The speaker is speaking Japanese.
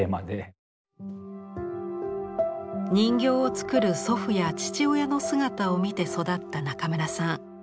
人形を作る祖父や父親の姿を見て育った中村さん。